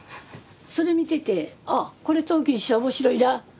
それ見ててあっこれ陶器にしたら面白いな。